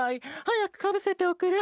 はやくかぶせておくれ。